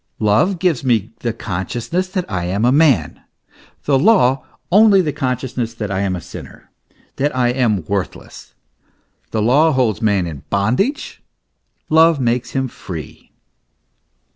Love gives me the consciousness that I am a man; the law only the consciousness that I am a sinner, that I am worthless.* The law holds man in bondage; love makes him free.